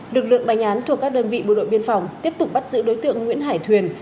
lực lượng đánh án thuộc các đơn vị bộ đội biên phòng tiếp tục bắt giữ đối tượng nguyễn hải thuyền